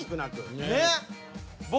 ねっ。